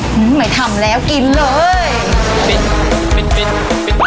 ไม่ทำแล้วกินเลย